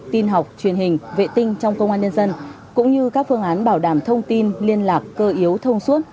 tin học truyền hình vệ tinh trong công an nhân dân cũng như các phương án bảo đảm thông tin liên lạc cơ yếu thông suốt